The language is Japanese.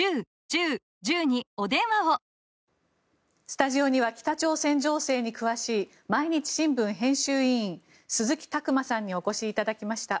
スタジオには北朝鮮情勢に詳しい毎日新聞編集委員鈴木琢磨さんにお越しいただきました。